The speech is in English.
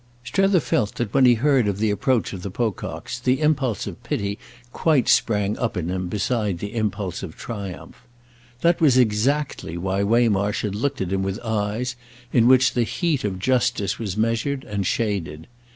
Strether felt that when he heard of the approach of the Pococks the impulse of pity quite sprang up in him beside the impulse of triumph. That was exactly why Waymarsh had looked at him with eyes in which the heat of justice was measured and shaded.